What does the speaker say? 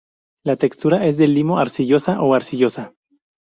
La textura es de limo-arcillosa a arcillosa.